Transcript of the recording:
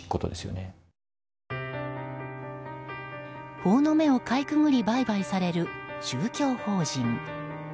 法の目をかいくぐり売買される宗教法人。